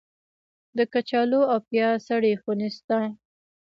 د کچالو او پیاز سړې خونې شته؟